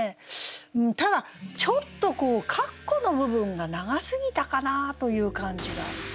ただちょっとこう括弧の部分が長すぎたかなという感じが。